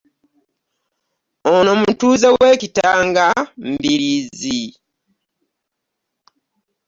Ono mutuuze w'e Kitanga Mbiriizi